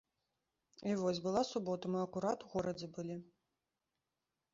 І вось, была субота, мы акурат у горадзе былі.